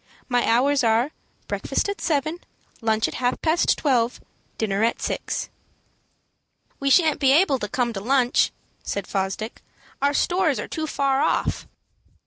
My hours are, breakfast at seven, lunch at half past twelve, and dinner at six." "We shan't be able to come to lunch," said Fosdick. "Our stores are too far off."